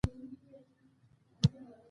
هره کړنه مو هغه لور ته يو ګام مخکې تګ کېږي.